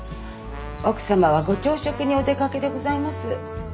奥様はご朝食にお出かけでございます。